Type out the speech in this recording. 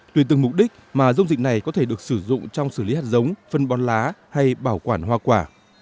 tùy từng mục đích mà dung dịch này có thể được sử dụng trong xử lý hạt giống phân bón lá hay bảo quản hoa quả